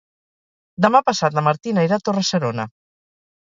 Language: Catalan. Demà passat na Martina irà a Torre-serona.